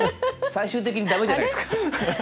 最終的に駄目じゃないですか。